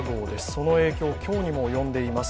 その影響、今日にも及んでいます。